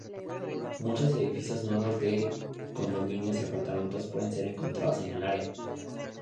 Muchos edificios nuevos de condominios y apartamentos pueden ser encontrados en el área.